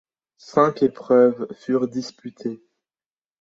Cinq épreuves furent disputées.